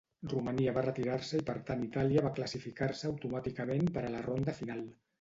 Romania va retirar-se i per tant Itàlia va classificar-se automàticament per a la ronda final.